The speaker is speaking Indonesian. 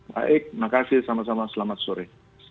baik makasih sama sama selamat sore